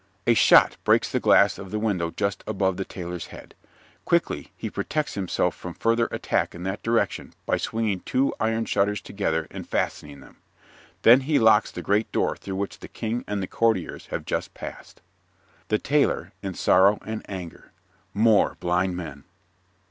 A shot breaks the glass of the window just above the Tailor's head. Quickly he protects himself from further attack in that direction by swinging two iron shutters together and fastening them. Then he locks the great door through which the King and the Courtiers have just passed._) THE TAILOR (in sorrow and anger) More blind men.